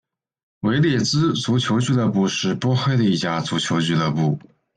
维列兹足球俱乐部是波黑的一家足球俱乐部。